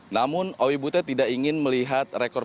namun ui butet tidak ingin melihat rekor pertemuan